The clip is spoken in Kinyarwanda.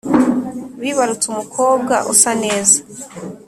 Wibarutse umukobwa usa neza